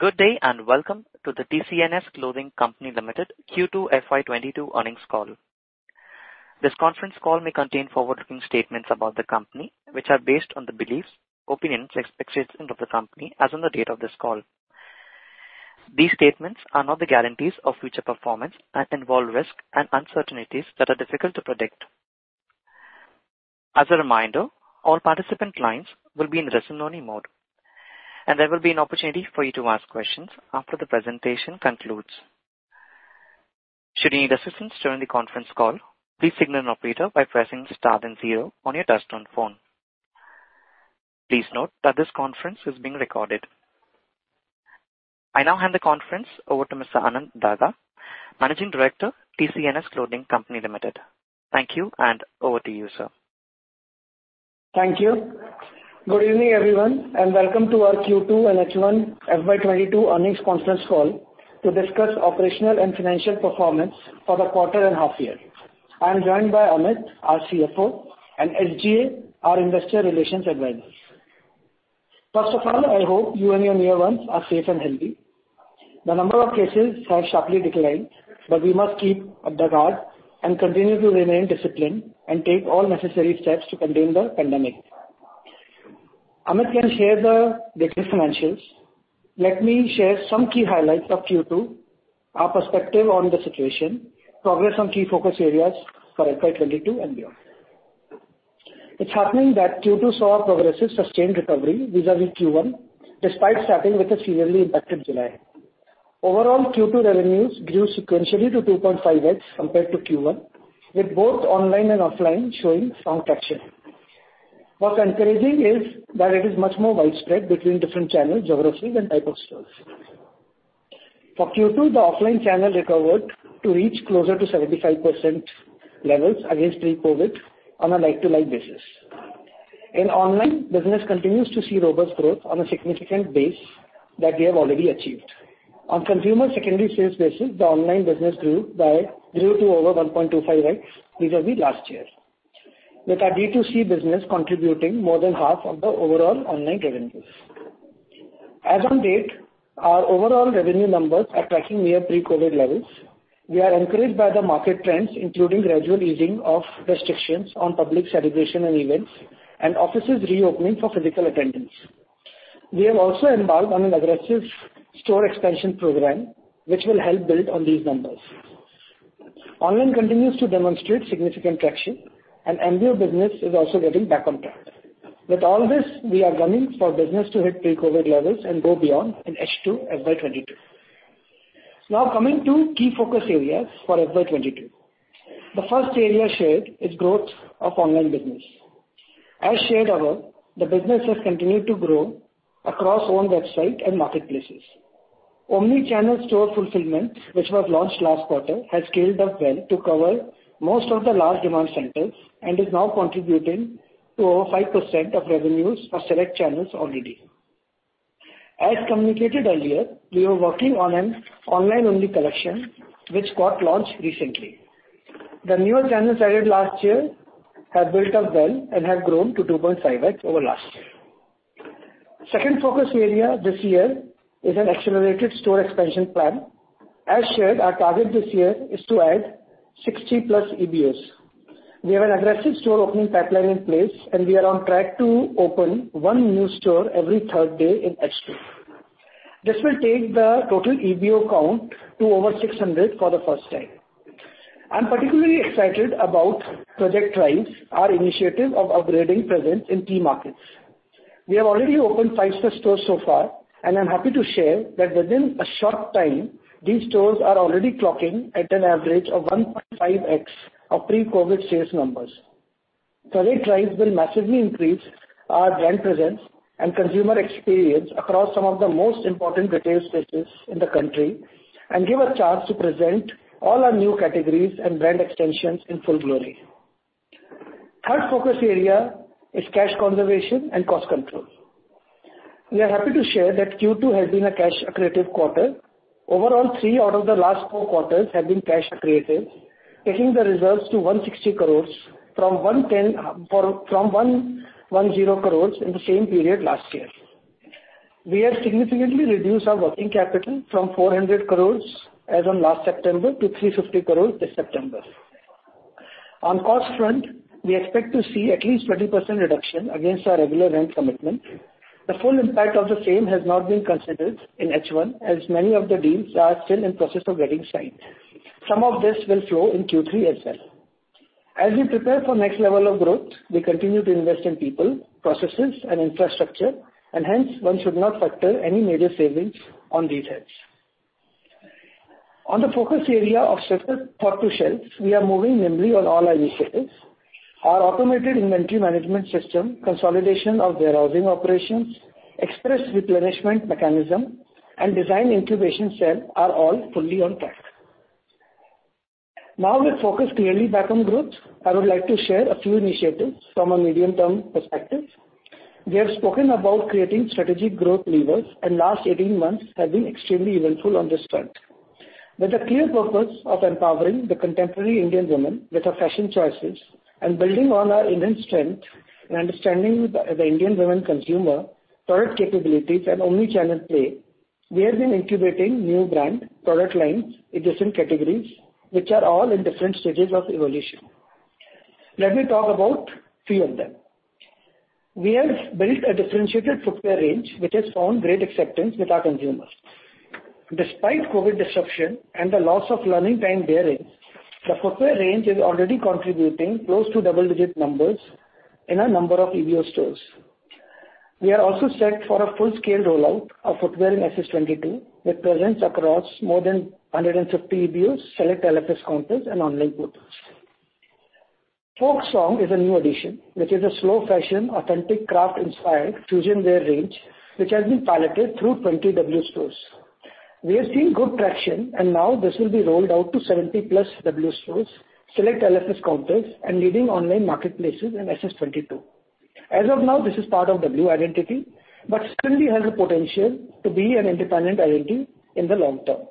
Good day and welcome to the TCNS Clothing Company Limited Q2 FY 2022 Earnings Call. This Conference Call may contain forward-looking statements about the company, which are based on the beliefs, opinions and expectations of the company as on the date of this call. These statements are not the guarantees of future performance and involve risks and uncertainties that are difficult to predict. As a reminder, all participant lines will be in listen only mode, and there will be an opportunity for you to ask questions after the presentation concludes. Should you need assistance during the Conference Call, please signal an operator by pressing star then zero on your touchtone phone. Please note that this conference is being recorded. I now hand the conference over to Mr. Anant Daga, Managing Director, TCNS Clothing Company Limited. Thank you and over to you, sir. Thank you. Good evening, everyone, and welcome to our Q2 and H1 FY 2022 earnings Conference Call to discuss operational and financial performance for the quarter and half year. I am joined by Amit, our CFO, and SGA, our investor relations advisors. First of all, I hope you and your near ones are safe and healthy. The number of cases have sharply declined, but we must keep our guard up and continue to remain disciplined and take all necessary steps to contain the pandemic. Amit can share the latest financials. Let me share some key highlights of Q2, our perspective on the situation, progress on key focus areas for FY 2022 and beyond. It's heartening that Q2 saw a progressive, sustained recovery vis-à-vis Q1, despite starting with a severely impacted July. Overall, Q2 revenues grew sequentially to 2.5x compared to Q1, with both online and offline showing strong traction. What's encouraging is that it is much more widespread between different channels, geographies and type of stores. For Q2, the offline channel recovered to reach closer to 75% levels against pre-COVID on a like-for-like basis. In online, business continues to see robust growth on a significant base that we have already achieved. On consumer secondary sales basis, the online business grew by 0 to over 1.25x vis-à-vis last year, with our D2C business contributing more than half of the overall online revenues. As on date, our overall revenue numbers are tracking near pre-COVID levels. We are encouraged by the market trends, including gradual easing of restrictions on public celebration and events and offices reopening for physical attendance. We have also embarked on an aggressive store expansion program which will help build on these numbers. Online continues to demonstrate significant traction and MBO business is also getting back on track. With all this, we are gunning for business to hit pre-COVID levels and go beyond in H2 FY 2022. Now coming to key focus areas for FY 2022. The first area shared is growth of online business. As shared above, the business has continued to grow across own website and marketplaces. Omnichannel store fulfillment, which was launched last quarter, has scaled up well to cover most of the large demand centers and is now contributing to over 5% of revenues for select channels already. As communicated earlier, we are working on an online-only collection which got launched recently. The newer channels added last year have built up well and have grown to 2.5x over last year. Second focus area this year is an accelerated store expansion plan. As shared, our target this year is to add 60+ EBAs. We have an aggressive store opening pipeline in place, and we are on track to open 1 new store every third day in H2. This will take the total EBA count to over 600 for the first time. I'm particularly excited about Project Rise, our initiative of upgrading presence in key markets. We have already opened 5 such stores so far, and I'm happy to share that within a short time, these stores are already clocking at an average of 1.5x of pre-COVID sales numbers. Project Rise will massively increase our brand presence and consumer experience across some of the most important retail spaces in the country and give a chance to present all our new categories and brand extensions in full glory. Third focus area is cash conservation and cost control. We are happy to share that Q2 has been a cash accretive quarter. Overall, three out of the last four quarters have been cash accretive, taking the reserves to 160 crores from 110 crores in the same period last year. We have significantly reduced our working capital from 400 crores as on last September to 350 crores this September. On cost front, we expect to see at least 20% reduction against our regular rent commitment. The full impact of the same has not been considered in H1, as many of the deals are still in process of getting signed. Some of this will flow in Q3 as well. As we prepare for next level of growth, we continue to invest in people, processes and infrastructure, and hence one should not factor any major savings on these heads. On the focus area of shift from floor to shelves, we are moving nimbly on all initiatives. Our automated inventory management system, consolidation of warehousing operations, express replenishment mechanism and design incubation shelf are all fully on track. Now with focus clearly back on growth, I would like to share a few initiatives from a medium-term perspective. We have spoken about creating strategic growth levers and last 18 months have been extremely eventful on this front. With a clear purpose of empowering the contemporary Indian women with her fashion choices and building on our inherent strength and understanding the Indian women consumer product capabilities and omni-channel play, we have been incubating new brand product lines in different categories, which are all in different stages of evolution. Let me talk about 3 of them. We have built a differentiated footwear range, which has found great acceptance with our consumers. Despite COVID disruption and the loss of learning time therein, the footwear range is already contributing close to double-digits numbers in a number of EBO stores. We are also set for a full-scale rollout of footwear in SS22, with presence across more than 150 EBOs, select LFS counters and online portals. Folksong is a new addition, which is a slow fashion, authentic craft inspired fusion wear range, which has been piloted through 20 W stores. We are seeing good traction, and now this will be rolled out to 70+ W stores, select LFS counters and leading online marketplaces in SS22. As of now, this is part of W identity, but certainly has the potential to be an independent identity in the long-term.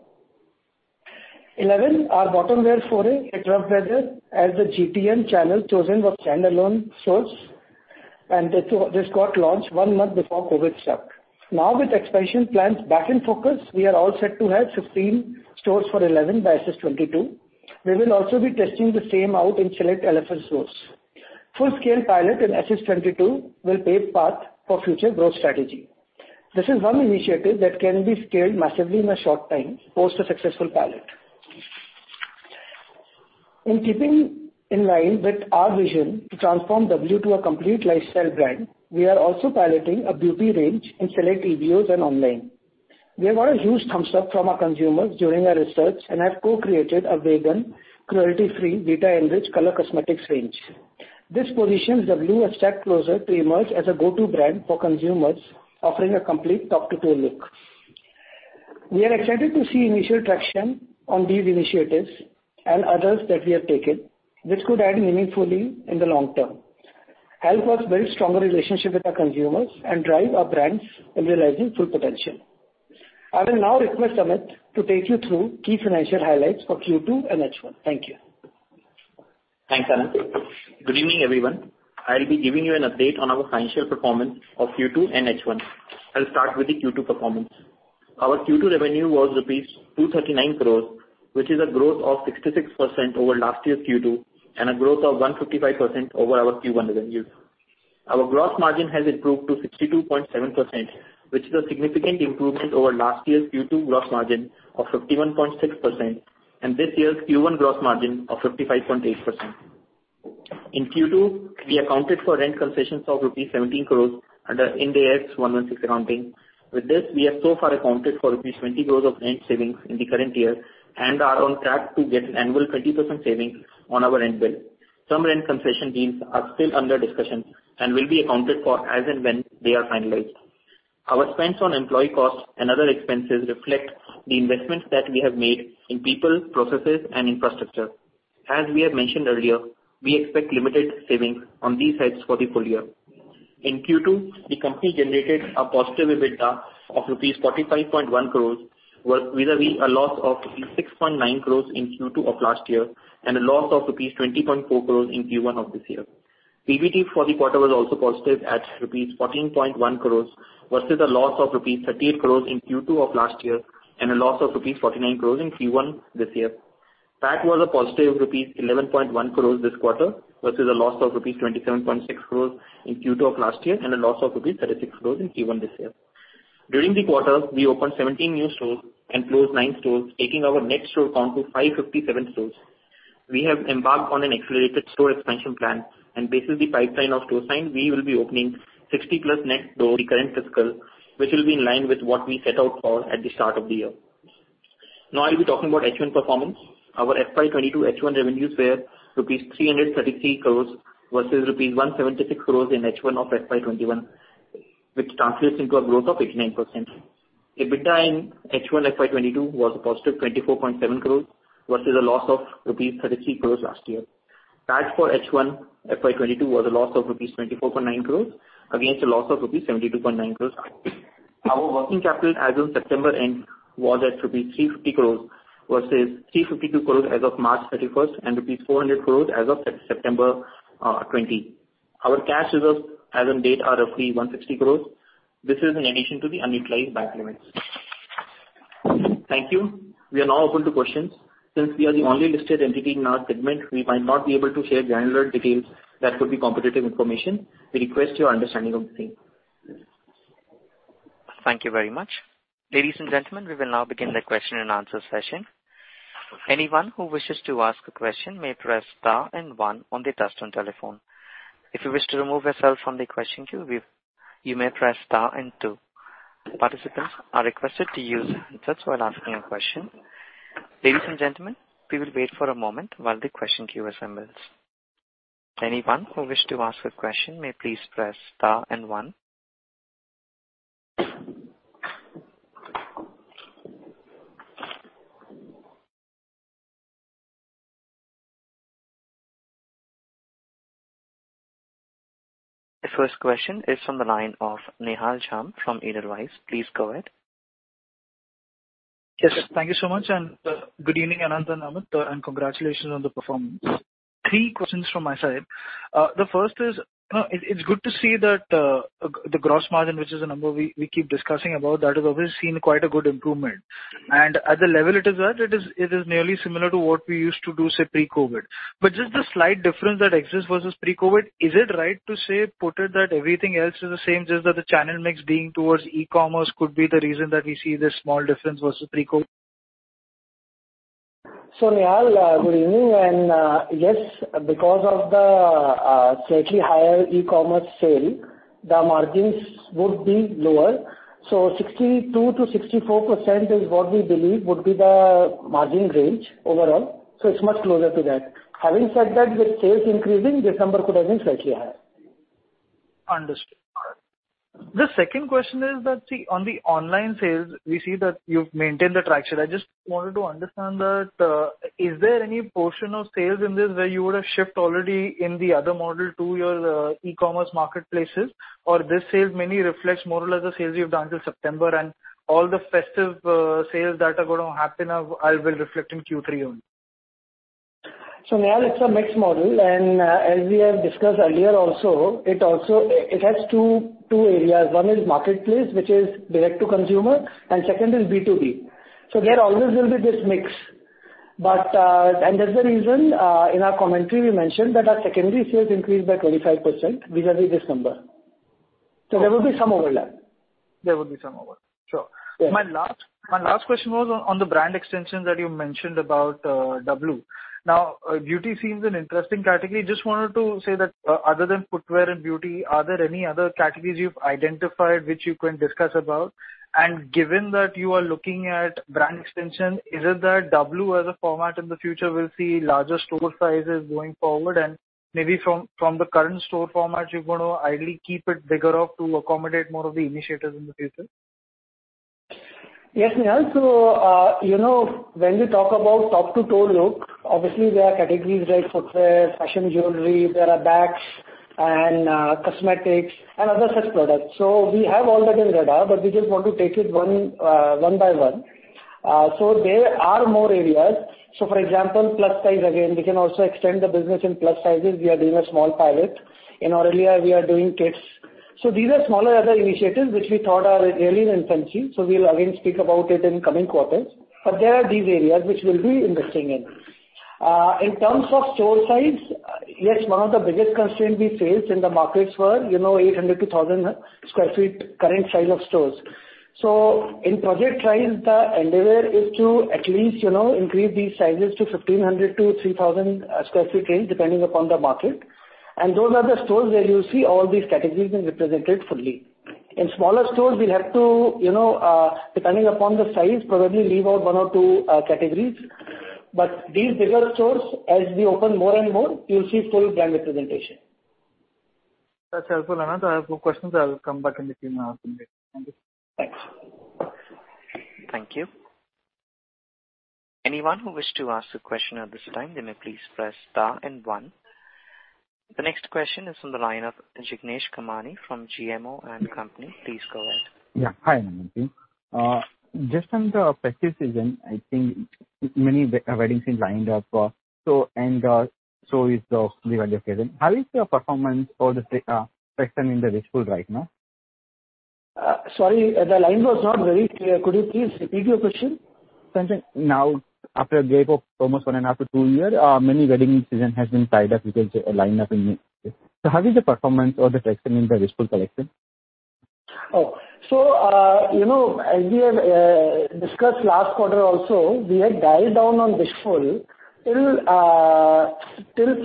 Elleven, our bottom wear foray, it fared better as the GTM channel chosen was standalone stores, and this got launched one month before COVID struck. Now with expansion plans back in focus, we are all set to have 15 stores for Elleven by SS22. We will also be testing the same out in select LFS stores. Full scale pilot in SS22 will pave path for future growth strategy. This is one initiative that can be scaled massively in a short time, post a successful pilot. In keeping in line with our vision to transform W to a complete lifestyle brand, we are also piloting a beauty range in select EBOs and online. We have got a huge thumbs up from our consumers during our research and have co-created a vegan, cruelty-free, vitamin-rich color cosmetics range. This positions W a step closer to emerge as a go-to brand for consumers offering a complete top-to-toe look. We are excited to see initial traction on these initiatives and others that we have taken, which could add meaningfully in the long-term, help us build stronger relationship with our consumers, and drive our brands in realizing full potential. I will now request Amit to take you through key financial highlights for Q2 and H1. Thank you. Thanks, Anant. Good evening, everyone. I'll be giving you an update on our financial performance of Q2 and H1. I'll start with the Q2 performance. Our Q2 revenue was rupees 239 crores, which is a growth of 66% over last year's Q2, and a growth of 155% over our Q1 revenues. Our gross margin has improved to 62.7%, which is a significant improvement over last year's Q2 gross margin of 51.6%, and this year's Q1 gross margin of 55.8%. In Q2, we accounted for rent concessions of rupees 17 crores under Ind AS 116 accounting. With this, we have so far accounted for rupees 20 crores of rent savings in the current year, and are on track to get an annual 20% savings on our rent bill. Some rent concession deals are still under discussion and will be accounted for as and when they are finalized. Our spends on employee costs and other expenses reflect the investments that we have made in people, processes, and infrastructure. As we have mentioned earlier, we expect limited savings on these heads for the full-year. In Q2, the company generated a positive EBITDA of rupees 45.1 crore, whereas vis-à-vis a loss of rupees 6.9 crore in Q2 of last year, and a loss of rupees 20.4 crore in Q1 of this year. PBT for the quarter was also positive at rupees 14.1 crore versus a loss of rupees 38 crore in Q2 of last year, and a loss of rupees 49 crore in Q1 this year. PAT was rupees 11.1 crores this quarter versus a loss of rupees 27.6 crores in Q2 of last year, and a loss of rupees 36 crores in Q1 this year. During the quarter, we opened 17 new stores and closed nine stores, taking our net store count to 557 stores. We have embarked on an accelerated store expansion plan and based on the pipeline of store sites, we will be opening 60+ net stores the current fiscal, which will be in line with what we set out for at the start of the year. Now I'll be talking about H1 performance. Our FY 2022 H1 revenues were INR 333 crores versus INR 176 crores in H1 of FY 2021, which translates into a growth of 89%. EBITDA in H1 FY 2022 was a positive 24.7 crores versus a loss of rupees 33 crores last year. PAT for H1 FY 2022 was a loss of rupees 24.9 crores against a loss of rupees 72.9 crores. Our working capital as of September end was at rupees 350 crores versus 352 crores as of March 31, and rupees 400 crores as of September 2020. Our cash reserves as on date are 160 crores. This is in addition to the unutilized bank limits. Thank you. We are now open to questions. Since we are the only listed entity in our segment, we might not be able to share granular details that could be competitive information. We request your understanding on the same. Thank you very much. Ladies and gentlemen, we will now begin the question and answer session. Anyone who wishes to ask a question may press star and one on their touchtone telephone. If you wish to remove yourself from the question queue, you may press star and two. Participants are requested to use the handset while asking a question. Ladies and gentlemen, we will wait for a moment while the question queue assembles. Anyone who wishes to ask a question may please press star and one. The first question is from the line of Nihal Mahesh Jham from Edelweiss. Please go ahead. Yes, thank you so much, and good evening, Anant and Amit, and congratulations on the performance. Three questions from my side. The first is, you know, it's good to see that the gross margin, which is a number we keep discussing about, that has always seen quite a good improvement. At the level it is at, it is nearly similar to what we used to do, say, pre-COVID. Just the slight difference that exists versus pre-COVID, is it right to say, put it that everything else is the same, just that the channel mix being towards e-commerce could be the reason that we see this small difference versus pre-COVID? Nihal, good evening, and yes, because of the slightly higher e-commerce sale, the margins would be lower. 62%-64% is what we believe would be the margin range overall, so it's much closer to that. Having said that, with sales increasing, December could have been slightly higher. Understood. The second question is that, see, on the online sales, we see that you've maintained the traction. I just wanted to understand that, is there any portion of sales in this where you would have shipped already in the other model to your e-commerce marketplaces? Or this sales mainly reflects more or less the sales you've done till September and all the festive sales that are gonna happen now will reflect in Q3 only. Nihal, it's a mixed model, and as we have discussed earlier also, it has two areas. One is marketplace, which is direct to consumer, and second is B2B. There always will be this mix. That's the reason in our commentary we mentioned that our secondary sales increased by 25% vis-a-vis this number. There will be some overlap. There will be some overlap. Sure. Yes. My last question was on the brand extension that you mentioned about W. Now, beauty seems an interesting category. Just wanted to say that other than footwear and beauty, are there any other categories you've identified which you can discuss about? Given that you are looking at brand extension, is it that W as a format in the future will see larger store sizes going forward and maybe from the current store format, you're gonna ideally keep it bigger up to accommodate more of the initiatives in the future? Yes, Nihal. You know, when we talk about top-to-toe look, obviously there are categories like footwear, fashion jewelry, there are bags and cosmetics and other such products. We have all that on radar, but we just want to take it one by one. There are more areas. For example, plus size again, we can also extend the business in plus sizes. We are doing a small pilot. In Aurelia, we are doing kids. These are smaller other initiatives which we thought are really in infancy, so we'll again speak about it in coming quarters. There are these areas which we'll be investing in. In terms of store size, yes, one of the biggest constraint we faced in the markets were, you know, 800-1,000 sq ft current size of stores. In Project Rise, the endeavor is to at least, you know, increase these sizes to 1,500-3,000 sq ft range, depending upon the market. Those are the stores where you'll see all these categories being represented fully. In smaller stores, we'll have to, you know, depending upon the size, probably leave out one or two categories. These bigger stores, as we open more and more, you'll see full brand representation. That's helpful, Anant. I have two questions. I'll come back in the Q&A later. Thank you. Thanks. Thank you. Anyone who wish to ask a question at this time, you may please press star and one. The next question is from the line of Jignesh Kamani from GMO and Company. Please go ahead. Hi, Anant. Just on the festive season, I think many weddings lined up, so is the Diwali occasion. How is your performance for the season in the Wishful right now? Sorry, the line was not very clear. Could you please repeat your question? Sure, sure. Now after a gap of almost 1.5-2 years, many wedding seasons have been tied up with a lineup in it. How is the performance or the section in the Wishful collection? You know, as we have discussed last quarter also, we had dialed down on Wishful till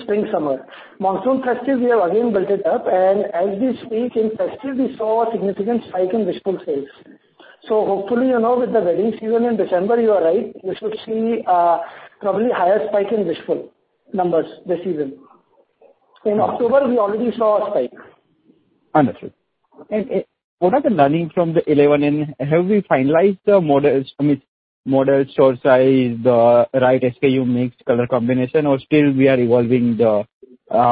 spring/summer. Monsoon festive, we have again built it up, and as we speak, in festive we saw a significant spike in Wishful sales. Hopefully, you know, with the wedding season in December, you are right, we should see probably higher spike in Wishful numbers this season. In October, we already saw a spike. Understood. What are the learning from the Elleven and have we finalized the models, I mean, store size, the right SKU mix, color combination, or still we are evolving the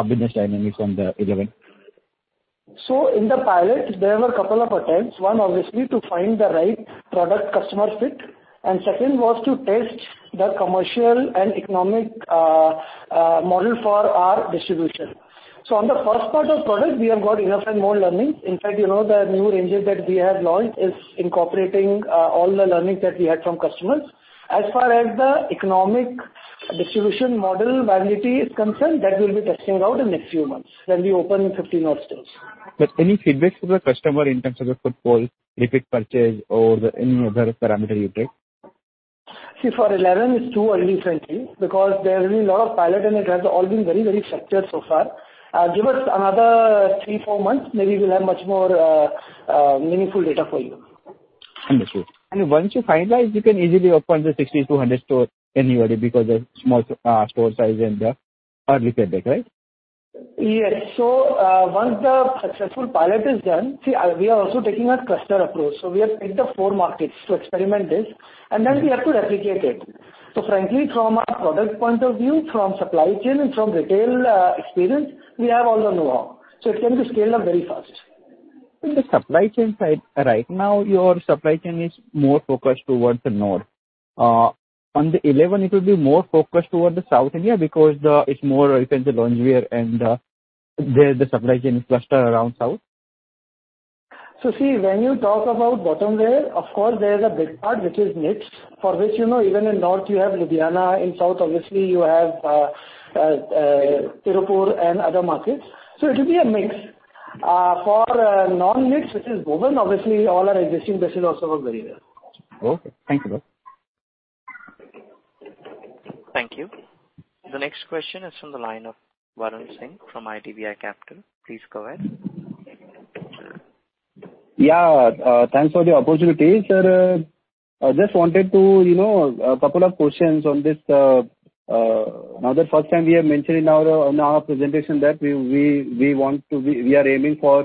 business dynamics on the Elleven? In the pilot there were a couple of attempts. One, obviously to find the right product customer fit, and second was to test the commercial and economic model for our distribution. On the first part of product, we have got enough and more learning. In fact, you know, the new ranges that we have launched is incorporating all the learnings that we had from customers. As far as the economic distribution model validity is concerned, that we'll be testing out in next few months when we open 15 odd stores. Any feedback from the customer in terms of the footfall, repeat purchase or any other parameter you take? See, for Elleven it's too early, frankly, because there has been a lot of pilot and it has all been very, very structured so far. Give us another 3-4 months, maybe we'll have much more meaningful data for you. Understood. Once you finalize, you can easily open the 60-100 store annually because of small store size and the early feedback, right? Yes. Once the successful pilot is done. See, we are also taking a cluster approach. We have picked the four markets to experiment this, and then we have to replicate it. Frankly, from a product point of view, from supply chain and from retail experience, we have all the know-how, so it can be scaled up very fast. In the supply chain side, right now your supply chain is more focused towards the North. On the Elleven it will be more focused towards South India because it's more oriented to loungewear and there the supply chain is clustered around the South. See, when you talk about bottom wear, of course there's a big part which is mixed. For which, you know, even in north you have Ludhiana, in south obviously you have Tirupur and other markets. It will be a mix. For non-mix, which is woven, obviously all our existing business also work very well. Okay. Thank you. Thank you. The next question is from the line of Varun Singh from IDBI Capital. Please go ahead. Thanks for the opportunity, sir. I just wanted to ask, you know, a couple of questions on this. The first time we have mentioned in our presentation that we are aiming for,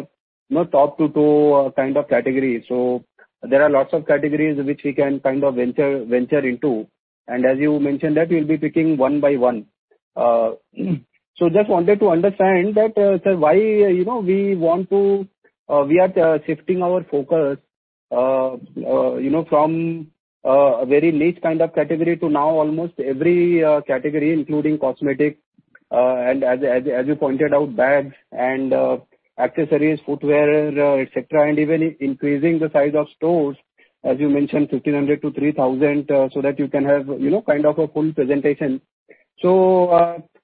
you know, top 2-3 category. There are lots of categories which we can kind of venture into. As you mentioned that we'll be picking one by one. Just wanted to understand why, you know, we are shifting our focus, you know, from a very niche kind of category to now almost every category including cosmetics, and as you pointed out, bags and accessories, footwear, et cetera. Even increasing the size of stores, as you mentioned, 1,500-3,000, so that you can have, you know, kind of a full presentation.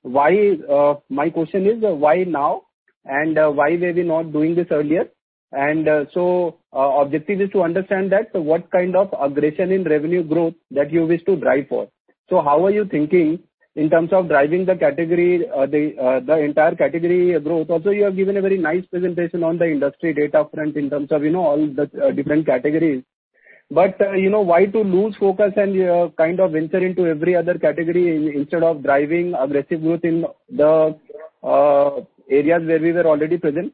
My question is why now? Why were we not doing this earlier? The objective is to understand that. What kind of aggression in revenue growth that you wish to drive for? How are you thinking in terms of driving the category, the entire category growth? Also, you have given a very nice presentation on the industry data front in terms of, you know, all the different categories. But, you know, why to lose focus and kind of venture into every other category instead of driving aggressive growth in the areas where we were already present?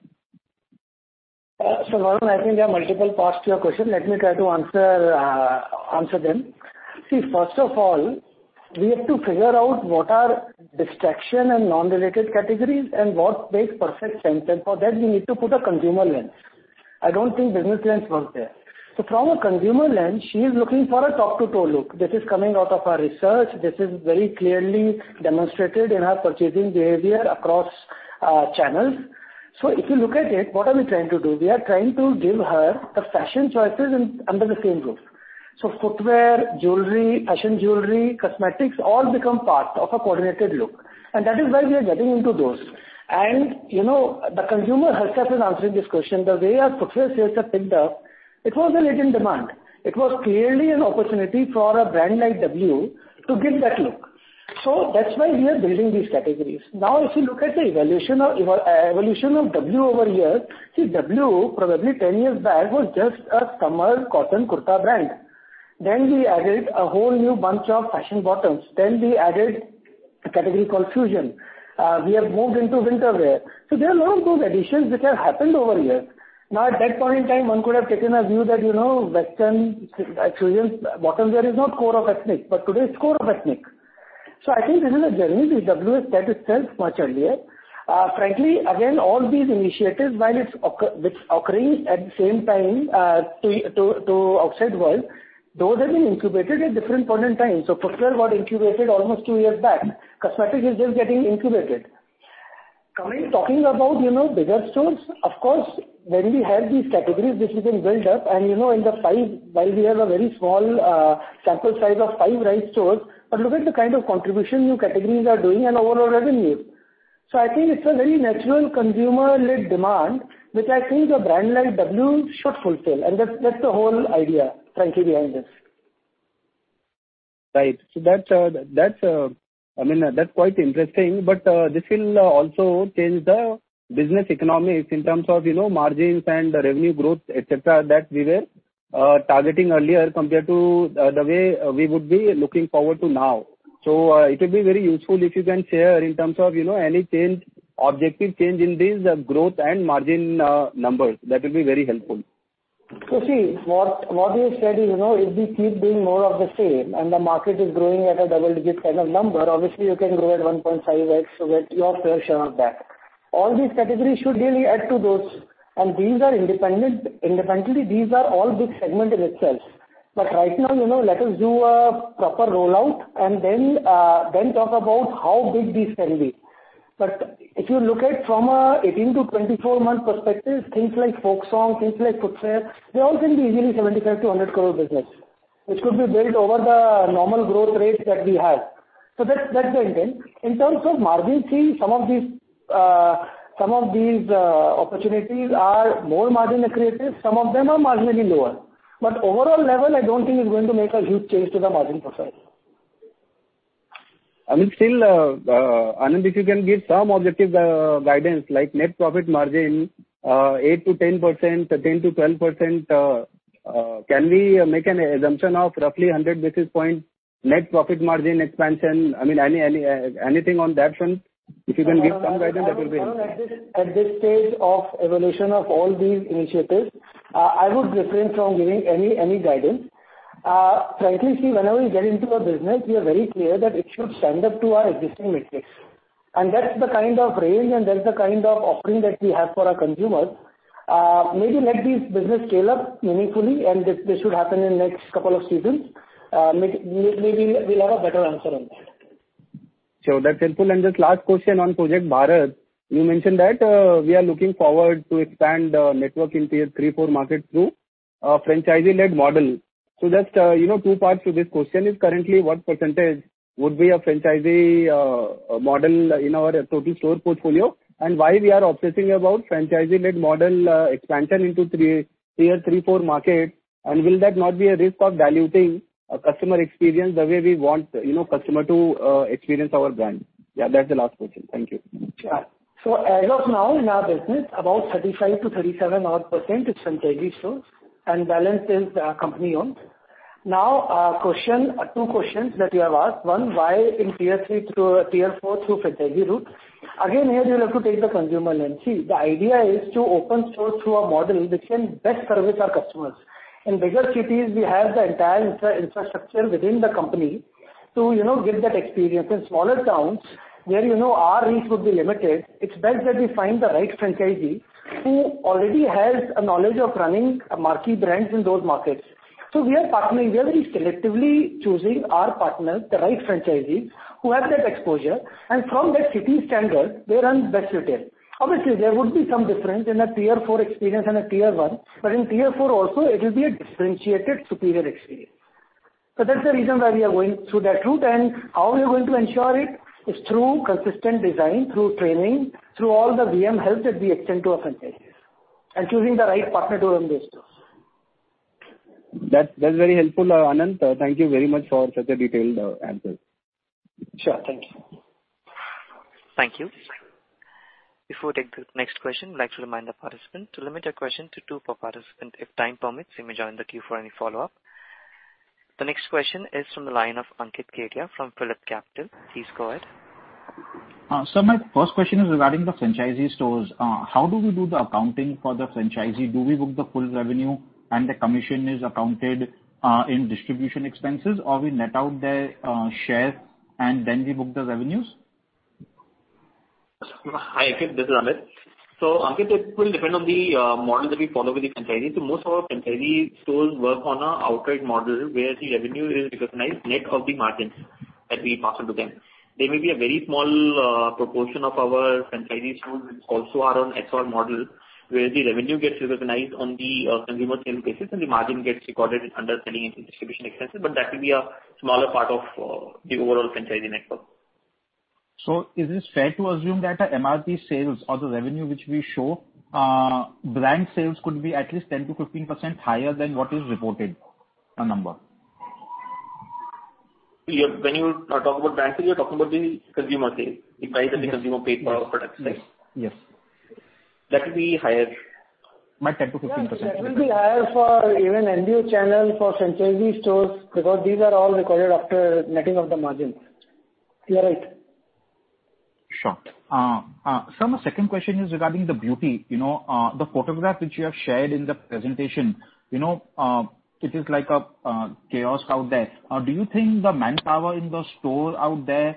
Varun, I think there are multiple parts to your question. Let me try to answer them. See, first of all, we have to figure out what are distraction and non-related categories and what makes perfect sense. For that we need to put a consumer lens. I don't think business lens works there. From a consumer lens, she is looking for a top-to-toe look. This is coming out of our research. This is very clearly demonstrated in her purchasing behavior across channels. If you look at it, what are we trying to do? We are trying to give her the fashion choices in under the same roof. Footwear, jewelry, fashion jewelry, cosmetics, all become part of a coordinated look. That is why we are getting into those. You know, the consumer herself is answering this question. The way our footwear sales have picked up, it was a latent demand. It was clearly an opportunity for a brand like W to give that look. That's why we are building these categories. Now, if you look at the evolution of W over years, see, W probably 10 years back was just a summer cotton kurta brand. We added a whole new bunch of fashion bottoms. We added a category called Fusion. We have moved into winter wear. There are a lot of those additions which have happened over years. Now, at that point in time, one could have taken a view that, you know, western fusion bottom wear is not core of ethnic, but today it's core of ethnic. I think this is a journey which W has set itself much earlier. Frankly, again, all these initiatives, while it's occurring at the same time to outside world, those have been incubated at different point in time. Footwear got incubated almost two-years back. Cosmetics is just getting incubated. Talking about, you know, bigger stores, of course, when we have these categories which we can build up and, you know, in the five, while we have a very small sample size of five Rise stores, but look at the kind of contribution new categories are doing and overall revenue. I think it's a very natural consumer-led demand, which I think a brand like W should fulfill. That's the whole idea frankly behind this. Right. That's, I mean, that's quite interesting. This will also change the business economics in terms of, you know, margins and revenue growth, et cetera, that we were targeting earlier compared to the way we would be looking forward to now. It will be very useful if you can share in terms of, you know, any change, objective change in these growth and margin numbers. That will be very helpful. See, what we have said is, you know, if we keep doing more of the same and the market is growing at a double-digits kind of number, obviously you can grow at 1.5x to get your fair share of that. All these categories should really add to those, and these are independent. Independently, these are all big segment in itself. Right now, you know, let us do a proper rollout and then talk about how big these can be. If you look at from a 18-24 month perspective, things like Folksong, things like footwear, they all can be easily 75 crore-100 crore business, which could be built over the normal growth rate that we have. That's the intent. In terms of margin, see some of these opportunities are more margin accretive. Some of them are marginally lower. Overall level, I don't think is going to make a huge change to the margin profile. I mean, still, Anant, if you can give some objective guidance, like net profit margin 8%-10%, 10%-12%, can we make an assumption of roughly 100 basis points net profit margin expansion? I mean, any anything on that front? If you can give some guidance, that will be helpful. Varun, at this stage of evolution of all these initiatives, I would refrain from giving any guidance. Frankly, see, whenever we get into a business, we are very clear that it should stand up to our existing metrics, and that's the kind of range and that's the kind of offering that we have for our consumers. Maybe let this business scale up meaningfully, and this should happen in the next couple of seasons. Maybe we'll have a better answer on that. Sure, that's helpful. Just last question on Project Bharat. You mentioned that we are looking forward to expand network in tier three, four markets through a franchisee-led model. So just, you know, two parts to this question is currently what percentage would be a franchisee model in our total store portfolio? And why we are obsessing about franchisee-led model expansion into tier three, four markets? And will that not be a risk of diluting a customer experience the way we want, you know, customer to experience our brand? Yeah, that's the last question. Thank you. Yeah. As of now in our business, about 35%-37% odd is franchisee stores and balance is company-owned. Now, question, 2 questions that you have asked: one, why in tier 3 to tier 4 through franchisee route? Again, here you'll have to take the consumer lens. See, the idea is to open stores through a model which can best service our customers. In bigger cities, we have the entire infrastructure within the company to, you know, give that experience. In smaller towns where, you know, our reach would be limited, it's best that we find the right franchisee who already has a knowledge of running marquee brands in those markets. We are partnering, we are very selectively choosing our partners, the right franchisee, who has that exposure, and from that city standpoint, they run best retail. Obviously, there would be some difference in a tier four experience and a tier one, but in tier four also it will be a differentiated superior experience. That's the reason why we are going through that route. How we are going to ensure it is through consistent design, through training, through all the VM help that we extend to our franchisees and choosing the right partner to run these stores. That's very helpful, Anant. Thank you very much for such a detailed answer. Sure. Thank you. Thank you. Before we take the next question, I'd like to remind the participant to limit their question to two per participant. If time permits, you may join the queue for any follow-up. The next question is from the line of Ankit Kedia from PhillipCapital. Please go ahead. My first question is regarding the franchisee stores. How do we do the accounting for the franchisee? Do we book the full revenue and the commission is accounted in distribution expenses or we net out their share and then we book the revenues? Hi, Ankit. This is Amit. Ankit, it will depend on the model that we follow with the franchisee. Most of our franchisee stores work on a outright model where the revenue is recognized net of the margins that we pass on to them. There may be a very small proportion of our franchisee stores which also are on SOR model, where the revenue gets recognized on the consumer sales basis and the margin gets recorded under selling and distribution expenses, but that will be a smaller part of the overall franchisee network. Is it fair to assume that the MRP sales or the revenue which we show, brand sales could be at least 10%-15% higher than what is reported, number? Yeah. When you talk about brand sales, you're talking about the consumer sales, the price that the consumer paid for our products, right? Yes. Yes. That will be higher. By 10%-15%. Yes, that will be higher for even MBO channel for franchisee stores because these are all recorded after netting of the margins. You are right. Sure, sir, my second question is regarding the beauty, you know, the photograph which you have shared in the presentation. You know, it is like a kiosk out there. Do you think the manpower in the store out there,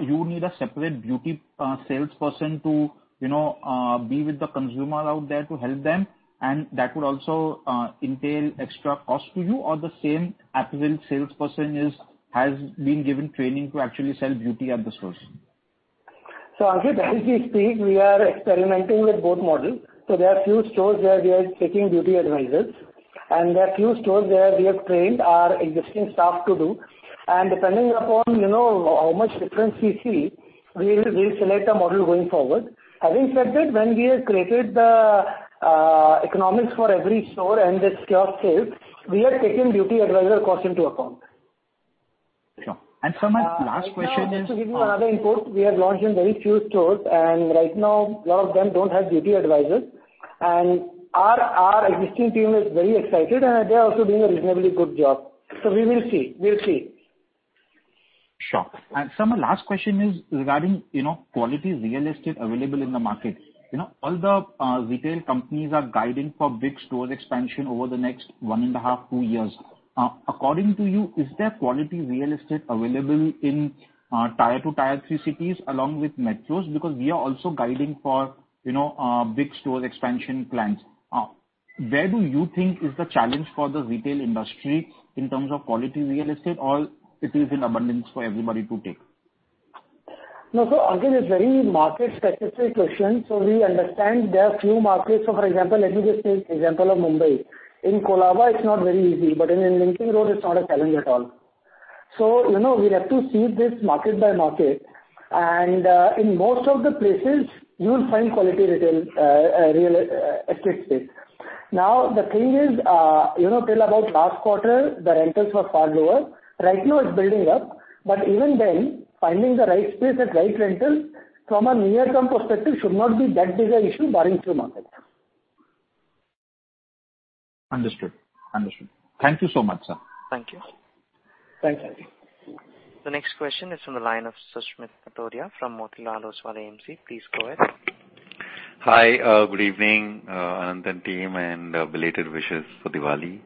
you need a separate beauty salesperson to, you know, be with the consumer out there to help them, and that would also entail extra cost to you or the same apparel salesperson has been given training to actually sell beauty at the stores? Ankit, as we speak, we are experimenting with both models. There are few stores where we are taking beauty advisors, and there are few stores where we have trained our existing staff to do. Depending upon, you know, how much difference we see, we will select a model going forward. Having said that, when we have created the economics for every store and its kiosk sales, we are taking beauty advisor cost into account. Sure. Sir, my last question is- Right now just to give you another input, we have launched in very few stores, and right now a lot of them don't have beauty advisors. Our existing team is very excited, and they are also doing a reasonably good job. We will see. We'll see. Sure. Sir, my last question is regarding, you know, quality real estate available in the market. You know, all the retail companies are guiding for big stores expansion over the next 1.5-2 years. According to you, is there quality real estate available in tier 2, tier 3 cities along with metros? Because we are also guiding for, you know, big stores expansion plans. Where do you think is the challenge for the retail industry in terms of quality real estate or it is in abundance for everybody to take? No. Ankit, it's very market specific question. We understand there are few markets. For example, let me just take example of Mumbai. In Colaba it's not very easy, but in Linking Road it's not a challenge at all. You know, we'll have to see this market by market, and in most of the places you'll find quality retail real estate space. Now, the thing is, you know, till about last quarter the rentals were far lower. Right now it's building up, but even then, finding the right space at right rental from a near-term perspective should not be that big a issue barring few markets. Understood. Thank you so much, sir. Thank you. Thanks, Ankit. The next question is from the line of Susmit Patodia from Motilal Oswal AMC. Please go ahead. Hi. Good evening, Anant and team, and belated wishes for Diwali.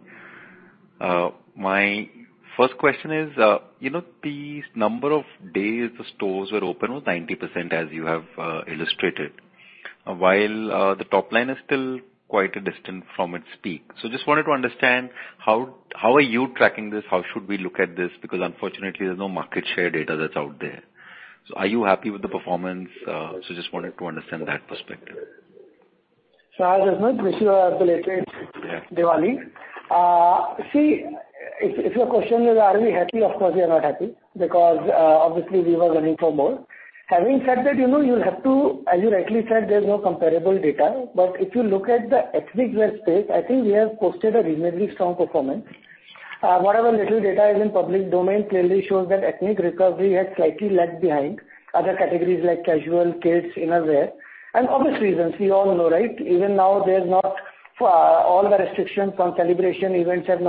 My first question is, you know, the number of days the stores were open was 90%, as you have illustrated, while the top-line is still quite distant from its peak. Just wanted to understand how are you tracking this? How should we look at this? Because unfortunately, there's no market share data that's out there. Are you happy with the performance? Just wanted to understand that perspective. Sure, Susmit. Wish you a belated- Yeah. Diwali. See, if your question is are we happy? Of course, we are not happy because, obviously we were running for more. Having said that, you know, you'll have to. As you rightly said, there's no comparable data. If you look at the ethnic wear space, I think we have posted a reasonably strong performance. Whatever little data is in public domain clearly shows that ethnic recovery has slightly lagged behind other categories like casual, kids, inner wear. Obvious reasons we all know, right? Even now, not all the restrictions from celebration events have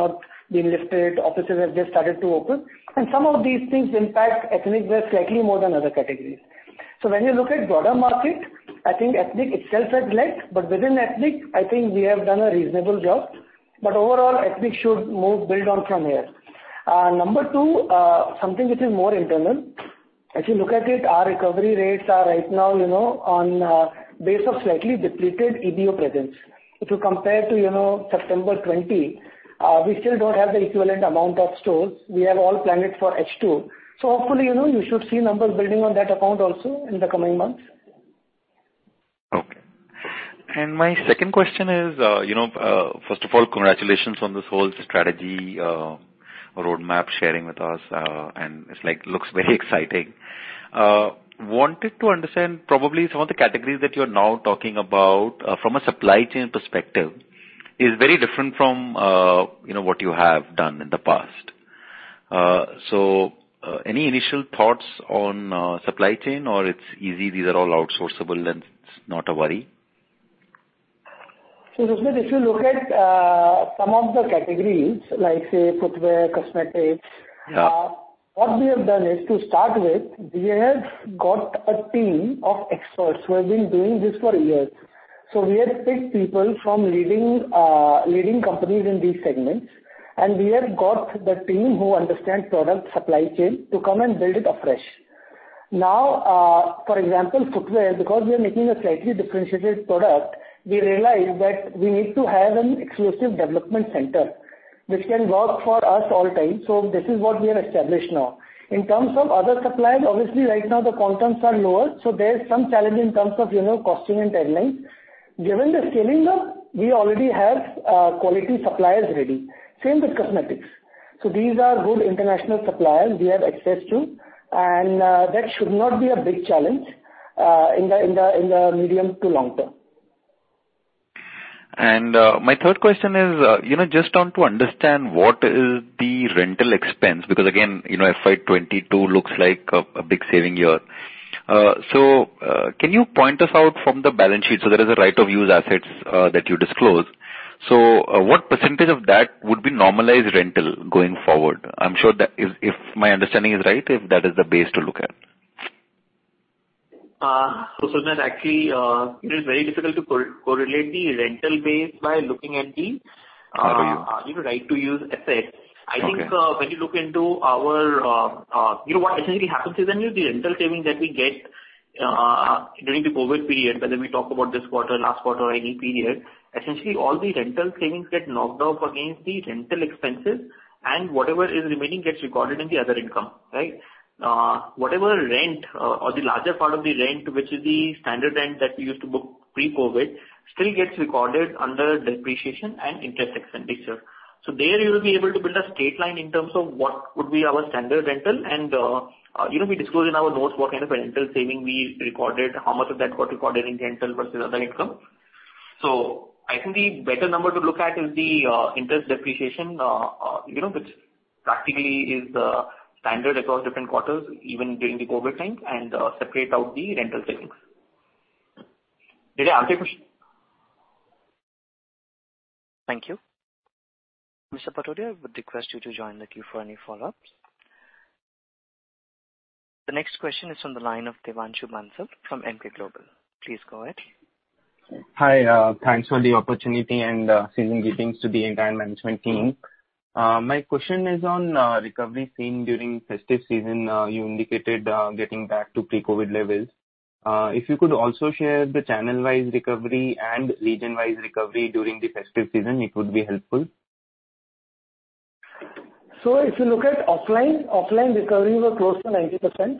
been lifted. Offices have just started to open. Some of these things impact ethnic wear slightly more than other categories. When you look at broader market, I think ethnic itself has lagged. Within ethnic, I think we have done a reasonable job. Overall, ethnic should move build on from here. 2, something which is more internal. If you look at it, our recovery rates are right now, you know, on base of slightly depleted EBO presence. If you compare to, you know, September 2020, we still don't have the equivalent amount of stores. We have all planned it for H2. Hopefully, you know, you should see numbers building on that account also in the coming months. Okay. My second question is, you know, first of all, congratulations on this whole strategy roadmap sharing with us. It's like, looks very exciting. Wanted to understand probably some of the categories that you're now talking about from a supply chain perspective is very different from, you know, what you have done in the past. So, any initial thoughts on supply chain or it's easy, these are all outsourceable and it's not a worry? Susmit, if you look at some of the categories like, say, footwear, cosmetics. Yeah. What we have done is to start with, we have got a team of experts who have been doing this for years. We have picked people from leading companies in these segments, and we have got the team who understand product supply chain to come and build it afresh. For example, footwear, because we are making a slightly differentiated product, we realized that we need to have an exclusive development center which can work for us all time, so this is what we have established now. In terms of other suppliers, obviously right now the quantums are lower, so there's some challenge in terms of, you know, costing and timeline. Given the scaling up, we already have quality suppliers ready. Same with cosmetics. These are good international suppliers we have access to, and that should not be a big challenge in the medium to long- term. My third question is, you know, just want to understand what is the rental expense, because again, you know, FY 2022 looks like a big saving year. Can you point it out from the balance sheet? There is a right-of-use assets that you disclose. What percentage of that would be normalized rental going forward? I'm sure that if my understanding is right, if that is the base to look at. Susmit, actually, it is very difficult to correlate the rental base by looking at the How are you? You know, right-of-use assets. Okay. I think, when you look into our... You know what essentially happens is when the rental savings that we get, during the COVID period, whether we talk about this quarter, last quarter or any period, essentially all the rental savings get knocked off against the rental expenses and whatever is remaining gets recorded in the other income, right? Whatever rent or the larger part of the rent, which is the standard rent that we used to book pre-COVID, still gets recorded under depreciation and interest expense nature. There you will be able to build a straight line in terms of what would be our standard rental and, you know, we disclose in our notes what kind of a rental saving we recorded, how much of that got recorded in rental versus other income. I think the better number to look at is the interest and depreciation, you know, which practically is standard across different quarters, even during the COVID time, and separate out the rental savings. Did I answer your question? Thank you. Mr. Patodia, I would request you to join the queue for any follow-ups. The next question is from the line of Devanshu Bansal from Emkay Global. Please go ahead. Hi. Thanks for the opportunity and season greetings to the entire management team. My question is on recovery seen during festive season. You indicated getting back to pre-COVID levels. If you could also share the channel-wise recovery and region-wise recovery during the festive season, it would be helpful. If you look at offline recovery was close to 90%.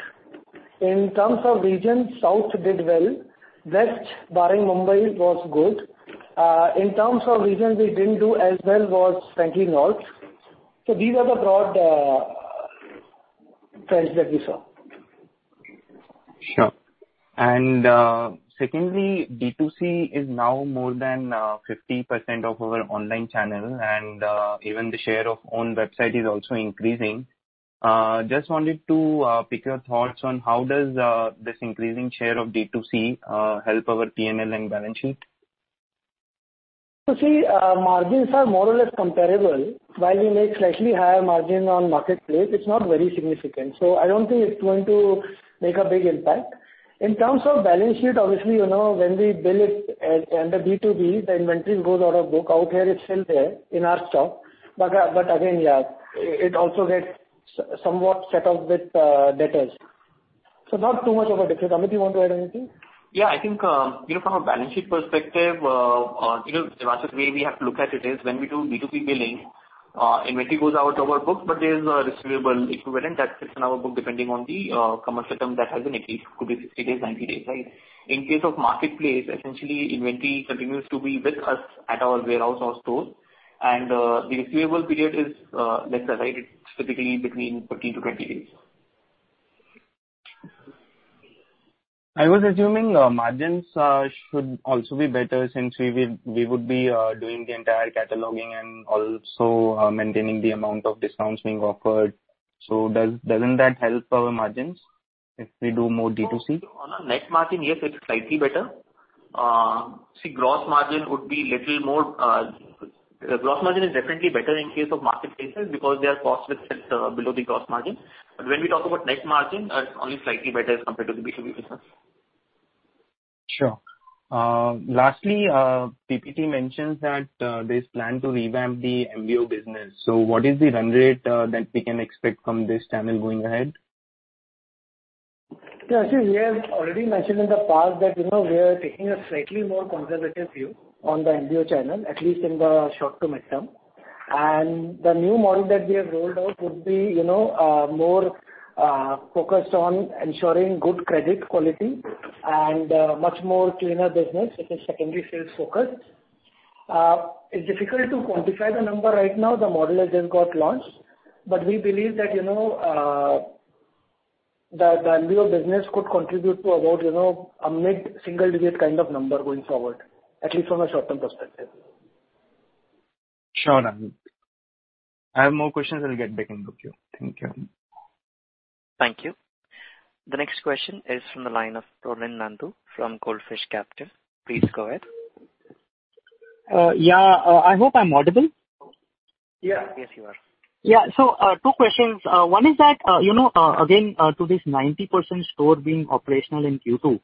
In terms of regions, South did well. West, barring Mumbai, was good. In terms of regions we didn't do as well was frankly North. These are the broad trends that we saw. Sure. Secondly, D2C is now more than 50% of our online channel, and even the share of own website is also increasing. Just wanted to pick your thoughts on how does this increasing share of D2C help our P&L and balance sheet? See, margins are more or less comparable. While we make slightly higher margin on marketplace, it's not very significant, so I don't think it's going to make a big impact. In terms of balance sheet, obviously, you know, when we bill it under B2B, the inventory goes out of book. Out there, it's still there in our stock. But again, yeah, it also gets somewhat set off with debtors. Not too much of a difference. Amit, you want to add anything? Yeah. I think, you know, from a balance sheet perspective, you know, the fastest way we have to look at it is when we do B2B billing, inventory goes out of our books, but there's a receivable equivalent that sits in our book depending on the commercial term that has been agreed. Could be 60 days, 90 days, right? In case of marketplace, essentially inventory continues to be with us at our warehouse or store and the receivable period is lesser, right? It's typically between 13 to 20 days. I was assuming margins should also be better since we would be doing the entire cataloging and also maintaining the amount of discounts being offered. Doesn't that help our margins if we do more D2C? On a net margin, yes, it's slightly better. Gross margin would be little more. Gross margin is definitely better in case of marketplaces because their cost is below the gross margin. When we talk about net margin, it's only slightly better as compared to the B2B business. Sure. Lastly, PPT mentions that there's a plan to revamp the MBO business. What is the run rate that we can expect from this channel going ahead? Yeah. We have already mentioned in the past that, you know, we are taking a slightly more conservative view on the MBO channel, at least in the short to midterm. The new model that we have rolled out would be, you know, more focused on ensuring good credit quality and much more cleaner business, which is secondary sales focused. It's difficult to quantify the number right now. The model has just got launched, but we believe that, you know, the MBO business could contribute to about, you know, a mid-single-digit kind of number going forward, at least from a short-term perspective. Sure. I have more questions. I'll get back into queue. Thank you. Thank you. The next question is from the line of Rohan Nandu from Goldfish Capital. Please go ahead. Yeah. I hope I'm audible. Yeah. Yes, you are. Yeah. Two questions. One is that, you know, again, to this 90% store being operational in Q2,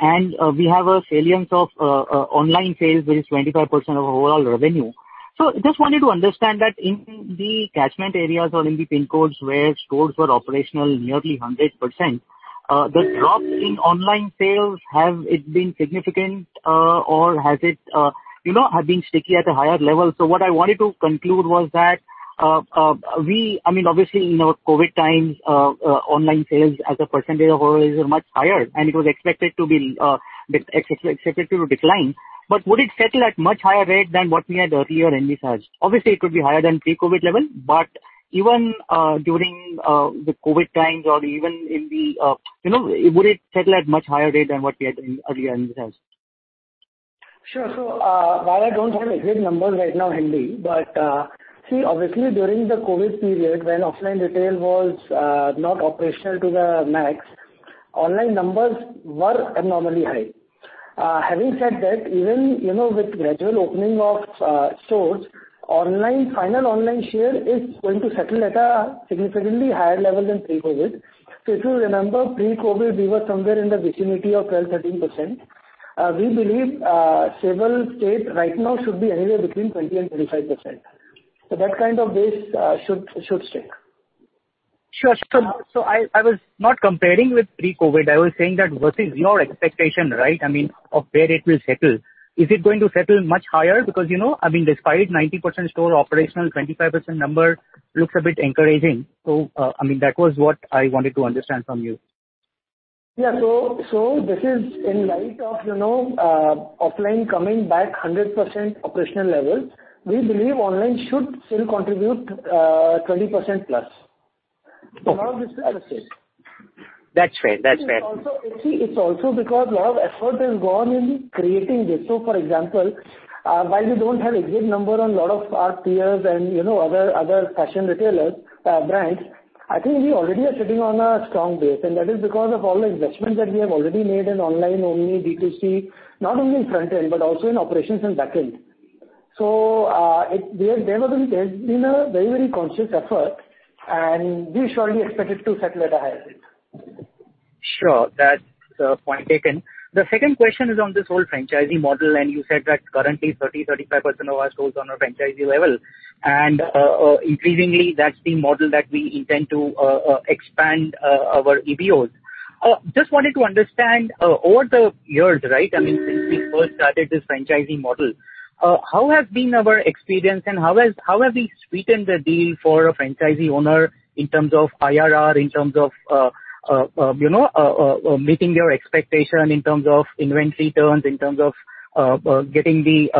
and we have a salience of online sales, that is 25% of overall revenue. Just wanted to understand that in the catchment areas or in the PIN codes where stores were operational nearly 100%, the drop in online sales, have it been significant, or has it, you know, have been sticky at a higher level? What I wanted to conclude was that, I mean, obviously in our COVID times, online sales as a percentage of whole is much higher, and it was expected to decline. Would it settle at much higher rate than what we had earlier in this half? Obviously, it could be higher than pre-COVID level, but even during the COVID times or even in the you know, would it settle at much higher rate than what we had earlier in this half? Sure. While I don't have exact numbers right now handy, but see, obviously during the COVID period when offline retail was not operational to the max, online numbers were abnormally high. Having said that, even you know, with gradual opening of stores, online final online share is going to settle at a significantly higher level than pre-COVID. If you remember pre-COVID, we were somewhere in the vicinity of 12%-13%. We believe stable state right now should be anywhere between 20%-25%. That kind of base should stay. Sure. I was not comparing with pre-COVID. I was saying that versus your expectation, right? I mean, of where it will settle. Is it going to settle much higher? Because, you know, I mean, despite 90% store operational, 25% number looks a bit encouraging. I mean, that was what I wanted to understand from you. Yeah. This is in light of, you know, offline coming back 100% operational levels. We believe online should still contribute 20% plus. A lot of this That's fair. That's fair. It's also, you see, it's also because a lot of effort has gone in creating this. For example, while we don't have exact number on a lot of our peers and, you know, other fashion retailers, brands, I think we already are sitting on a strong base, and that is because of all the investments that we have already made in online, only D2C, not only in front end but also in operations and back end. There has been a very conscious effort, and we surely expect it to settle at a higher rate. Sure. That's point taken. The second question is on this whole franchising model, and you said that currently 35% of our stores are on a franchisee level. Increasingly, that's the model that we intend to expand our EBOs. Just wanted to understand over the years, right, I mean, since we first started this franchising model, how has been our experience and how have we sweetened the deal for a franchisee owner in terms of IRR, in terms of meeting your expectation in terms of inventory turns, in terms of getting the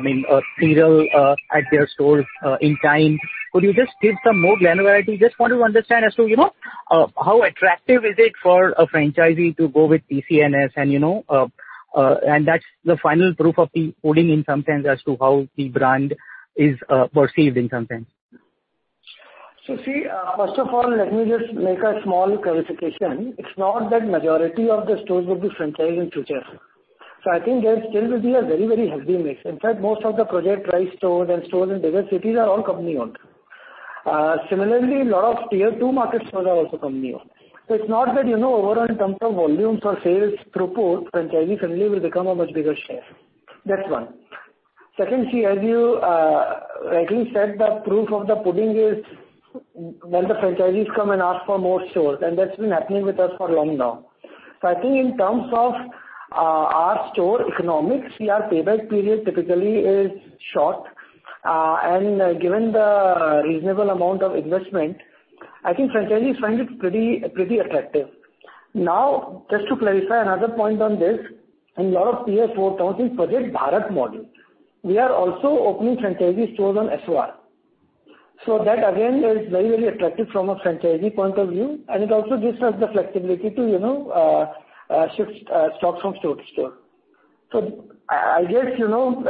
merchandise at their stores in time? Could you just give some more granularity? just want to understand as to, you know, how attractive is it for a franchisee to go with TCNS and, you know, and that's the final proof of the pudding in some sense as to how the brand is perceived in some sense. See, first of all, let me just make a small clarification. It's not that majority of the stores will be franchised in future. I think there still will be a very, very healthy mix. In fact, most of the Project Rise stores and stores in bigger cities are all company-owned. Similarly, lot of tier two market stores are also company-owned. It's not that, you know, overall in terms of volumes or sales throughput, franchisee suddenly will become a much bigger share. That's one. Second, see, as you rightly said, the proof of the pudding is when the franchisees come and ask for more stores, and that's been happening with us for long now. I think in terms of, our store economics, see our payback period typically is short. Given the reasonable amount of investment, I think franchisees find it pretty attractive. Now, just to clarify another point on this, in a lot of tier four towns, in Project Bharat model, we are also opening franchisee stores on SOR. That again is very attractive from a franchisee point of view, and it also gives us the flexibility to, you know, shift stock from store to store. I guess, you know,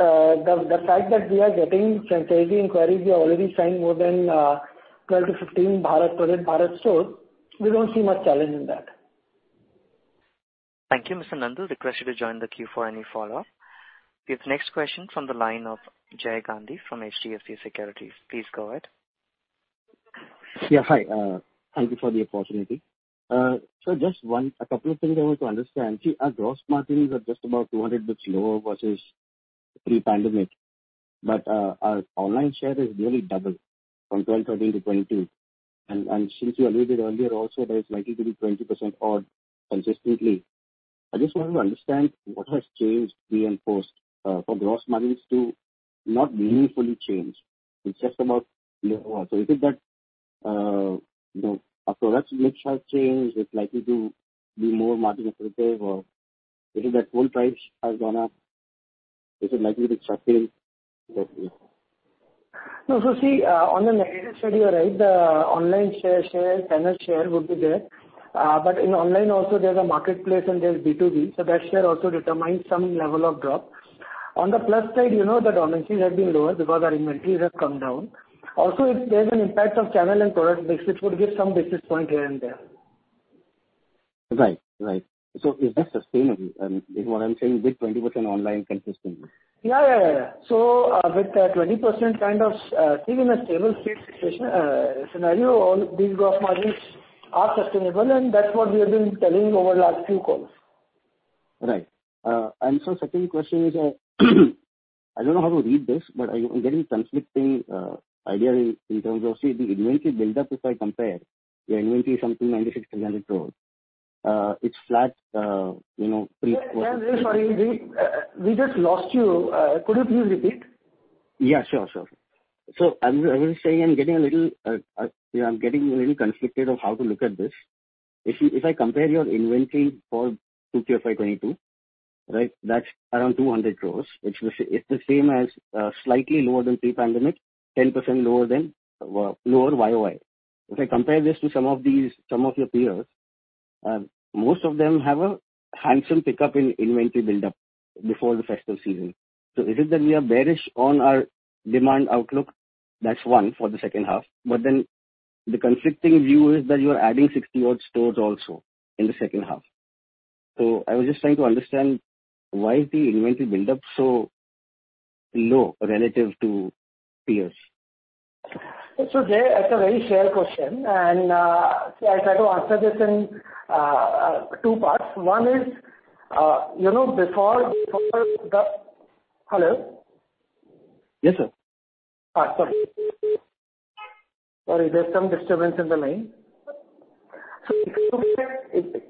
the fact that we are getting franchisee inquiries, we are already signing more than 12-15 Project Bharat stores, we don't see much challenge in that. Thank you, Mr. Nandu. Request you to join the queue for any follow-up. The next question from the line of Jay Gandhi from HDFC Securities. Please go ahead. Yeah, hi. Thank you for the opportunity. Just one... a couple of things I want to understand. See, our gross margins are just about 200 basis points lower versus pre-pandemic, but our online share has nearly doubled from 12, 13 to 20. And since you alluded earlier also that it's likely to be 20% odd consistently. I just want to understand what has changed pre and post for gross margins to not meaningfully change. It's just about lower. Is it that you know, our product mix has changed, it's likely to be more margin accretive or is it that wholesale price has gone up? Is it likely to sustain that? No. See, on the negative side, you are right. The online channel share would be there. But in online also there's a marketplace and there's B2B, so that share also determines some level of drop. On the plus side, the raw materials have been lower because our inventories have come down. Also, there's an impact of channel and product mix which would give some basis point here and there. Right. Is this sustainable? I mean, what I'm saying, this 20% online consistently. Yeah, with 20% kind of even a stable state situation scenario, these gross margins are sustainable, and that's what we have been telling over last few calls. Right. Second question is, I don't know how to read this, but I'm getting conflicting, ideally in terms of, see, the inventory buildup if I compare the inventory is something 96-100 crores. It's flat, you know, pre Yeah. Yeah. I'm really sorry. We just lost you. Could you please repeat? Yeah, sure. I was saying I'm getting a little conflicted on how to look at this. If I compare your inventory for Q3 FY 2022, right? That's around 200 crore, which is the same as, slightly lower than pre-pandemic, 10% lower YoY. If I compare this to some of your peers, most of them have a handsome pickup in inventory buildup before the festival season. Is it that we are bearish on our demand outlook? That's one for the second half. The conflicting view is that you're adding 60-odd stores also in the second half. I was just trying to understand why the inventory buildup is so low relative to peers. Jay, that's a very fair question and, see, I'll try to answer this in two parts. One is, you know, before the. Hello? Yes, sir. Sorry, there's some disturbance in the line. Excuse me.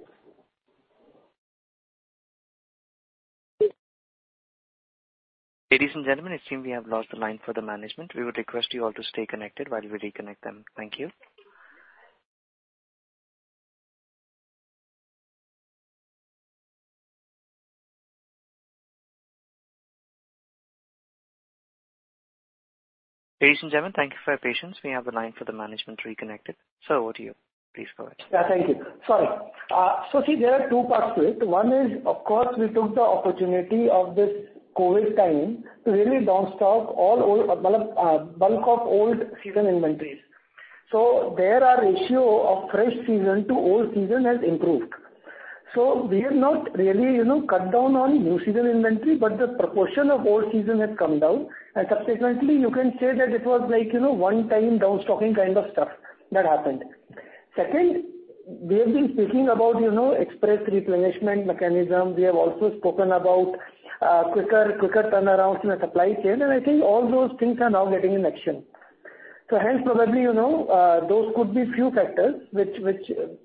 Ladies and gentlemen, it seems we have lost the line for the management. We would request you all to stay connected while we reconnect them. Thank you. Ladies and gentlemen, thank you for your patience. We have the line for the management reconnected. Sir, over to you. Please go ahead. Yeah. Thank you. Sorry. See, there are two parts to it. One is, of course, we took the opportunity of this COVID time to really down stock all old, bulk of old season inventories. There our ratio of fresh season to old season has improved. We have not really, you know, cut down on new season inventory, but the proportion of old season has come down. Subsequently, you can say that it was like, you know, one time down stocking kind of stuff that happened. Second, we have been speaking about, you know, express replenishment mechanism. We have also spoken about quicker turnarounds in the supply chain. I think all those things are now getting in action. Hence probably, you know, those could be few factors which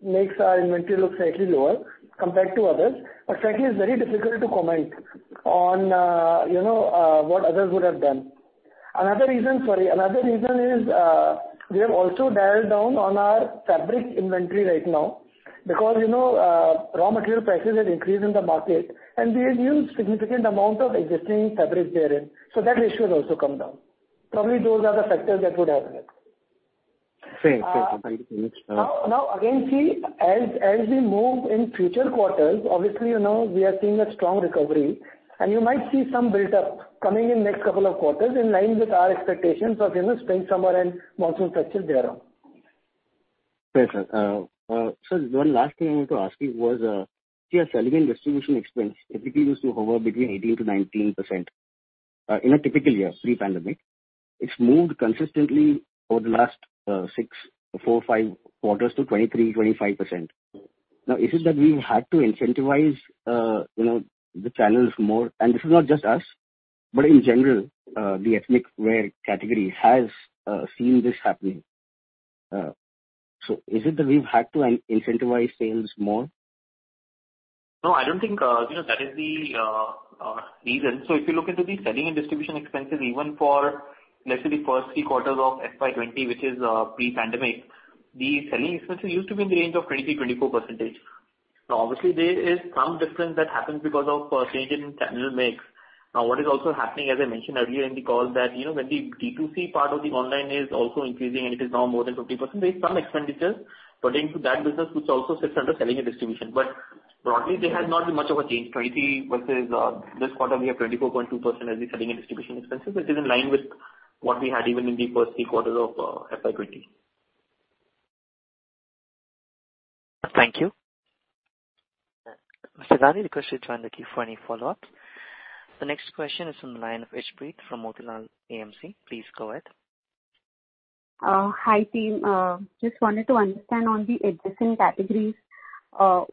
makes our inventory look slightly lower compared to others. Frankly, it's very difficult to comment on what others would have done. Another reason is we have also dialed down on our fabric inventory right now because raw material prices have increased in the market and we have used significant amount of existing fabric therein, so that ratio has also come down. Probably, those are the factors that would have helped. Thanks. Thank you so much. Now, again, as we move in future quarters, obviously, you know, we are seeing a strong recovery and you might see some buildup coming in next couple of quarters in line with our expectations of, you know, spring, summer and monsoon festival thereof. Yes, sir. Sir, one last thing I want to ask you was your selling and distribution expense typically used to hover between 18%-19% in a typical year, pre-pandemic. It's moved consistently over the last 4-5 quarters to 23%-25%. Now, is it that we had to incentivize you know the channels more? This is not just us, but in general the ethnic wear category has seen this happening. Is it that we've had to incentivize sales more? No, I don't think, you know, that is the reason. If you look into the selling and distribution expenses, even for let's say the first three quarters of FY 2020, which is pre-pandemic, the selling expenses used to be in the range of 23%-24%. Now, obviously, there is some difference that happens because of change in channel mix. Now, what is also happening, as I mentioned earlier in the call, that, you know, when the D2C part of the online is also increasing and it is now more than 50%, there is some expenditures pertaining to that business which also sits under selling and distribution. But broadly, there has not been much of a change. 20% versus this quarter we have 24.2% as the selling and distribution expenses, which is in line with what we had even in the first three quarters of FY 2020. Thank you. Mr. Dhani requests you to join the queue for any follow-up. The next question is from the line of Ishpreet from Motilal AMC. Please go ahead. Hi, team. Just wanted to understand on the adjacent categories,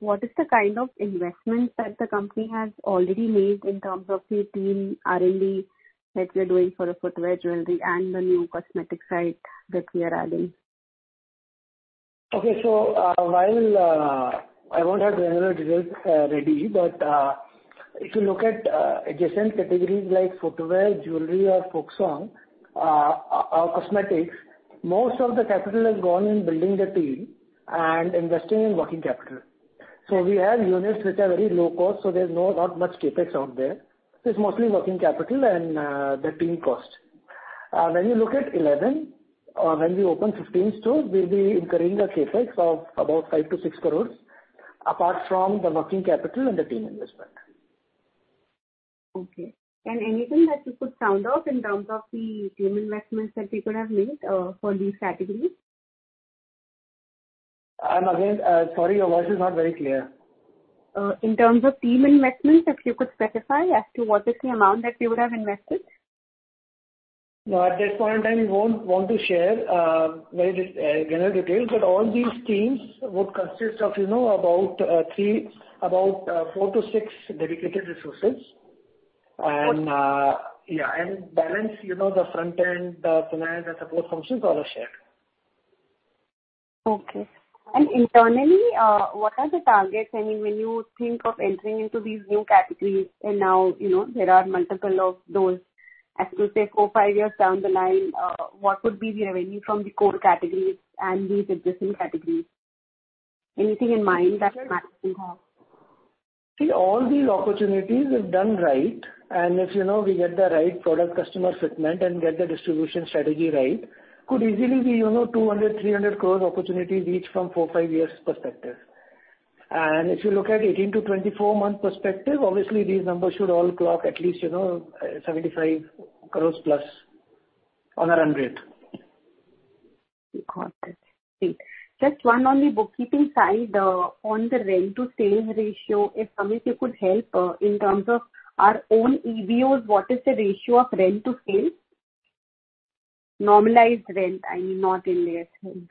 what is the kind of investments that the company has already made in terms of your team, R&D that you're doing for the footwear, jewelry and the new cosmetic side that we are adding? Okay. While I won't have general details ready, but if you look at adjacent categories like footwear, jewelry or Folksong, or cosmetics, most of the capital has gone in building the team and investing in working capital. We have units which are very low cost, so there's not much CapEx out there. It's mostly working capital and the team cost. When you look at Elleven or when we open 15 stores, we'll be incurring a CapEx of about 5 crore-6 crore, apart from the working capital and the team investment. Okay. Anything that you could sound out in terms of the team investments that you could have made for these categories? I'm again, sorry, your voice is not very clear. In terms of team investment, if you could specify as to what is the amount that you would have invested. No, at this point in time, we won't want to share very general details, but all these teams would consist of, you know, about 4-6 dedicated resources. Yeah, and balance, you know, the front end, the finance and support functions are all shared. Okay. Internally, what are the targets? I mean, when you think of entering into these new categories and now, you know, there are multiple of those. As you say, four, five years down the line, what would be the revenue from the core categories and these adjacent categories? Anything in mind that you have? See, all these opportunities, if done right, and if, you know, we get the right product customer fitment and get the distribution strategy right, could easily be, you know, 200 crore, 300 crore opportunities each from 4-5 years perspective. If you look at 18-24 month perspective, obviously these numbers should all clock at least, you know, 75 crore or INR 100 crore. Got it. Great. Just one on the bookkeeping side, on the rent to sales ratio, if Amit, you could help, in terms of our own EBOs, what is the ratio of rent to sales? Normalized rent, I mean, not in their rent.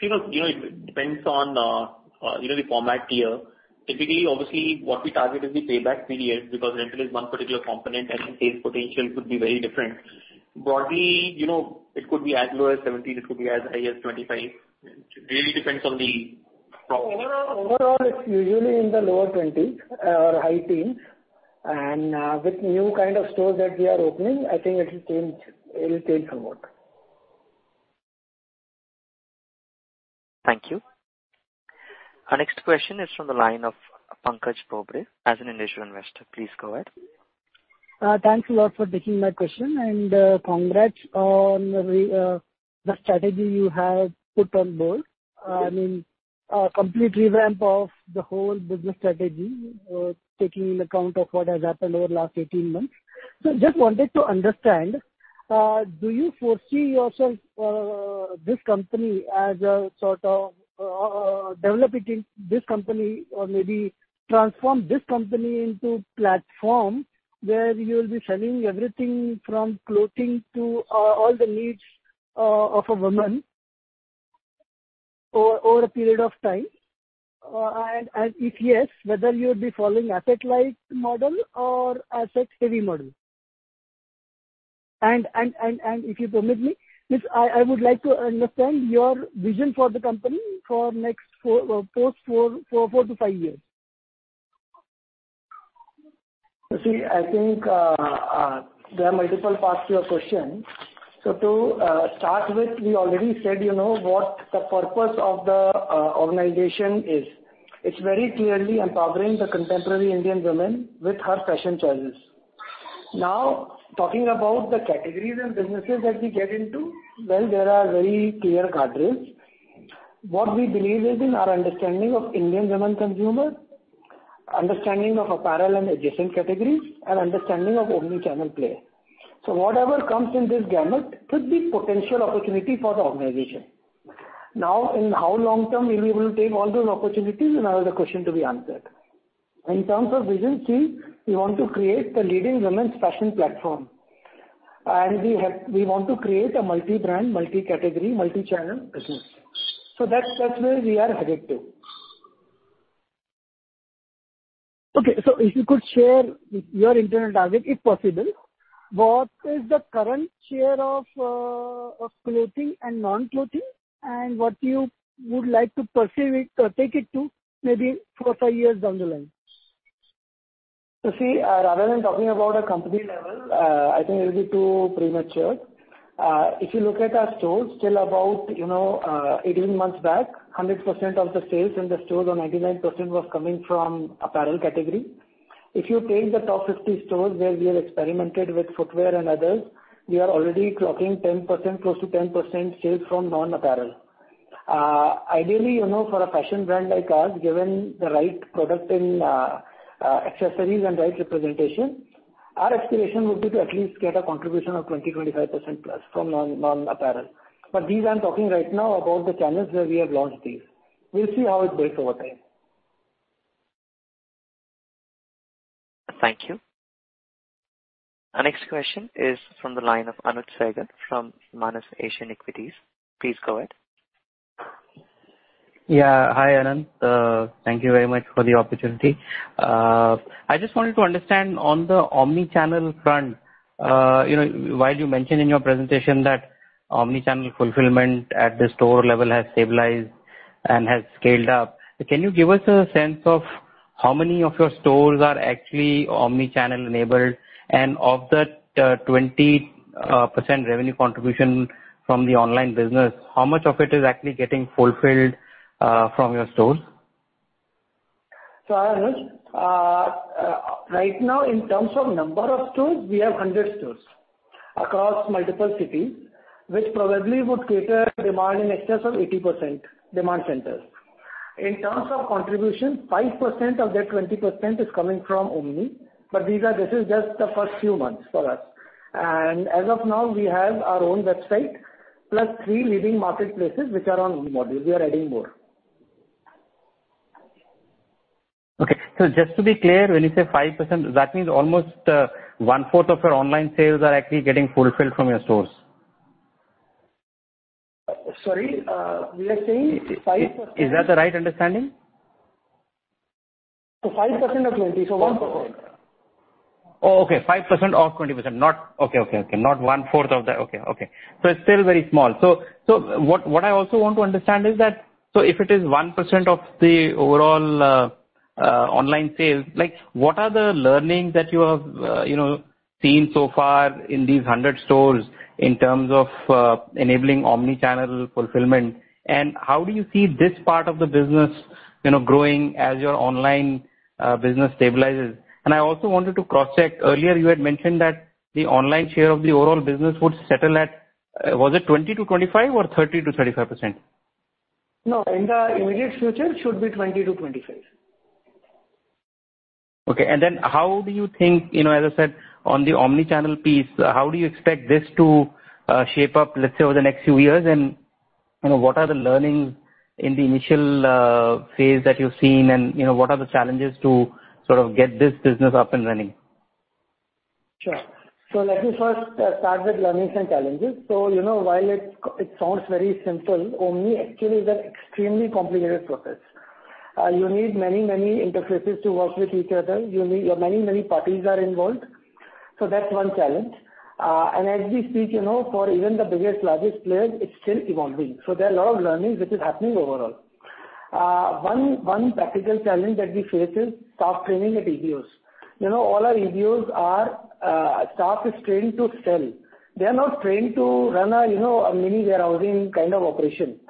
You know, it depends on the format tier. Typically, obviously, what we target is the payback period, because rental is one particular component and the sales potential could be very different. Broadly, you know, it could be as low as 17, it could be as high as 25. It really depends on the property. Overall, it's usually in the low 20s% or high teens%. With new kind of stores that we are opening, I think it will change somewhat. Thank you. Our next question is from the line of Pankaj Bobade as an Individual Investor. Please go ahead. Thanks a lot for taking my question, and congrats on the strategy you have put on board. I mean, complete revamp of the whole business strategy, taking into account of what has happened over the last 18 months. Just wanted to understand, do you foresee yourself this company as a sort of developing this company or maybe transform this company into platform where you'll be selling everything from clothing to all the needs of a woman over a period of time? And if yes, whether you'll be following asset light model or asset heavy model? If you permit me, yes, I would like to understand your vision for the company for next 4 to 5 years. You see, I think there are multiple parts to your question. To start with, we already said, you know, what the purpose of the organization is. It's very clearly empowering the contemporary Indian woman with her fashion choices. Now, talking about the categories and businesses that we get into, well, there are very clear guardrails. What we believe is in our understanding of Indian woman consumer, understanding of apparel and adjacent categories, and understanding of omnichannel play. Whatever comes in this gamut could be potential opportunity for the organization. Now, in how long- term we'll be able to take all those opportunities another question to be answered. In terms of vision three, we want to create the leading women's fashion platform. We want to create a multi-brand, multi-category, multi-channel business. That's where we are headed to. If you could share your internal target, if possible, what is the current share of clothing and non-clothing and what you would like to achieve it or take it to maybe four or five years down the line? You see, rather than talking about a company level, I think it will be too premature. If you look at our stores still about 18 months back, 100% of the sales in the stores or 99% was coming from apparel category. If you take the top 50 stores where we have experimented with footwear and others, we are already clocking 10%, close to 10% sales from non-apparel. Ideally, you know, for a fashion brand like us, given the right product in accessories and right representation, our expectation would be to at least get a contribution of 20%-25% plus from non-apparel. These I'm talking right now about the channels where we have launched these. We'll see how it breaks over time. Thank you. Our next question is from the line of Anuj Sehgal from Manas Asian Equities. Please go ahead. Yeah. Hi, Anant. Thank you very much for the opportunity. I just wanted to understand on the omnichannel front, you know, while you mentioned in your presentation that omnichannel fulfillment at the store level has stabilized and has scaled up. Can you give us a sense of how many of your stores are actually omnichannel enabled? And of that, 20% revenue contribution from the online business, how much of it is actually getting fulfilled from your stores? Anuj, right now in terms of number of stores, we have 100 stores across multiple cities which probably would cater demand in excess of 80% demand centers. In terms of contribution, 5% of that 20% is coming from omni. But this is just the first few months for us. As of now, we have our own website plus three leading marketplaces which are on omni module. We are adding more. Okay. Just to be clear, when you say 5%, does that mean almost one-fourth of your online sales are actually getting fulfilled from your stores? Sorry, we are saying 5%. Is that the right understanding? So five percent of twenty, so one percent. 5% of 20%. Not one-fourth of that. Okay. It's still very small. What I also want to understand is that, if it is 1% of the overall online sales, like what are the learnings that you have, you know, seen so far in these 100 stores in terms of enabling omnichannel fulfillment? And how do you see this part of the business, you know, growing as your online business stabilizes? And I also wanted to cross-check. Earlier you had mentioned that the online share of the overall business would settle at, was it 20%-25% or 30%-35%? No, in the immediate future should be 20-25. Okay. How do you think, you know, as I said, on the omnichannel piece, how do you expect this to shape up, let's say, over the next few years? You know, what are the learnings in the initial phase that you've seen and, you know, what are the challenges to sort of get this business up and running? Sure. Let me first start with learnings and challenges. You know, while it sounds very simple, Omni actually is an extremely complicated process. You need many interfaces to work with each other. You need many parties are involved. That's one challenge. As we speak, you know, for even the biggest, largest players, it's still evolving. There are a lot of learnings which is happening overall. One practical challenge that we face is staff training at EBOs. You know, all our EBOs are staff is trained to sell. They are not trained to run a mini warehousing kind of operation.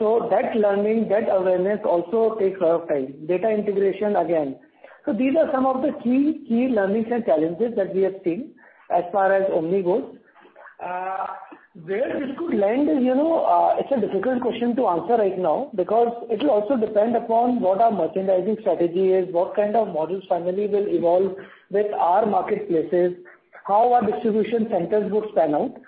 That learning, that awareness also takes a lot of time. Data integration, again. These are some of the key learnings and challenges that we have seen as far as Omni goes. Where this could land, you know, it's a difficult question to answer right now because it'll also depend upon what our merchandising strategy is, what kind of models finally will evolve with our marketplaces, how our distribution centers would span out.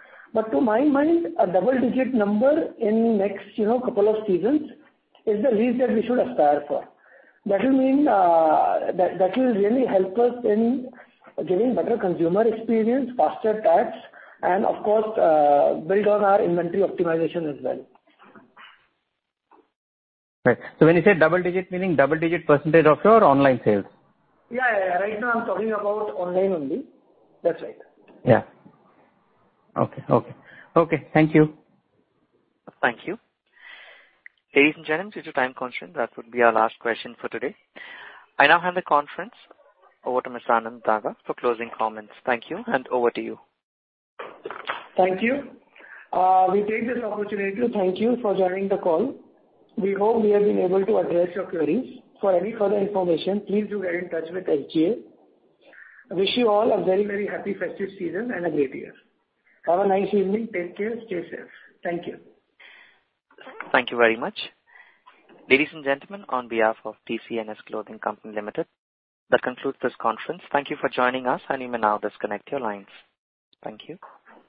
To my mind, a double-digits number in next, you know, couple of seasons is the least that we should aspire for. That will mean, that will really help us in giving better consumer experience, faster tags, and of course, build on our inventory optimization as well. Right. When you say double-digits, meaning double-digits percentage of your online sales? Yeah, yeah. Right now I'm talking about online only. That's right. Yeah. Okay. Thank you. Thank you. Ladies and gentlemen, due to time constraint, that would be our last question for today. I now hand the conference over to Mr. Anant Daga for closing comments. Thank you, and over to you. Thank you. We take this opportunity to thank you for joining the call. We hope we have been able to address your queries. For any further information, please do get in touch with SGA. I wish you all a very, very happy festive season and a great year. Have a nice evening. Take care. Stay safe. Thank you. Thank you very much. Ladies and gentlemen, on behalf of TCNS Clothing Company Limited, that concludes this conference. Thank you for joining us and you may now disconnect your lines. Thank you.